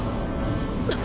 あっ。